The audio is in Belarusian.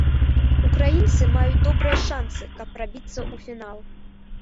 Украінцы маюць добрыя шанцы, каб прабіцца ў фінал.